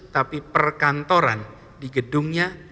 tapi perkantoran di gedungnya